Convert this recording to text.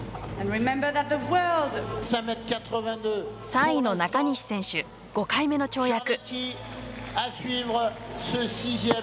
３位の中西選手、５回目の跳躍。